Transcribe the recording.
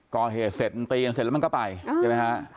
ก่อเหตุเสร็จมันตีกันเสร็จแล้วมันก็ไปใช่ไหมฮะ